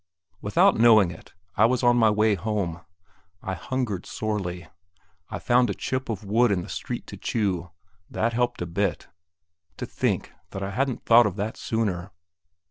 Without knowing it, I was on my way home. I hungered sorely. I found a chip of wood in the street to chew that helped a bit. To think that I hadn't thought of that sooner!